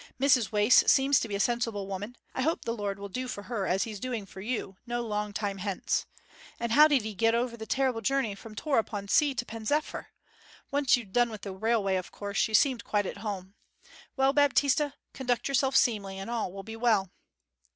Mrs Wace seems to be a sensible woman. I hope the Lord will do for her as he's doing for you no long time hence. And how did 'ee get over the terrible journey from Tor upon Sea to Pen zephyr? Once you'd done with the railway, of course, you seemed quite at home. Well, Baptista, conduct yourself seemly, and all will be well.'